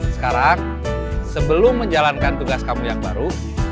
sekarang sebelum menjalankan tugas kamu yang baru